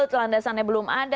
telandasannya belum ada